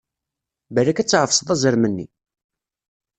Balak ad tɛefseḍ azrem-nni!